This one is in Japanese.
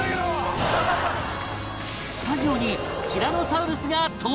スタジオにティラノサウルスが登場！